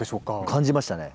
感じましたね。